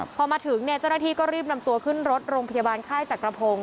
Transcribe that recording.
พอมาถึงเนี่ยเจ้าหน้าที่ก็รีบนำตัวขึ้นรถโรงพยาบาลค่ายจักรพงศ